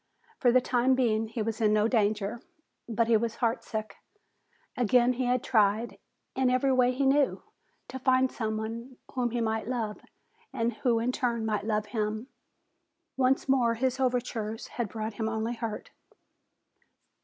For the time being he was in no danger, but he was heartsick. Again he had tried, in every way he knew, to find someone whom he might love and who in turn might love him. Once more his overtures had brought him only hurt.